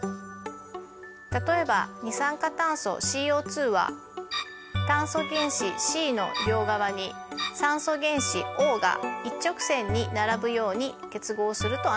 例えば二酸化炭素ＣＯは炭素原子Ｃの両側に酸素原子Ｏが一直線に並ぶように結合すると安定します。